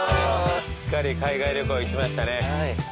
すっかり海外旅行行きましたね。